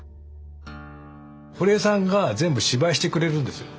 堀江さんが全部芝居してくれるんですよ。